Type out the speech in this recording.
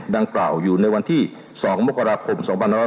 ดังกล่าวอยู่ในวันที่๒มกราคม๒๕๖๒